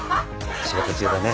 お仕事中だね。